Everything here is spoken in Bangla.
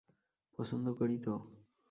পছন্দ করি তো!